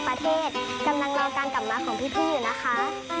ขอให้พี่ทั้ง๑๓คนเอาจากถ้ำรวมยากรุงปลอดภัยนะครับ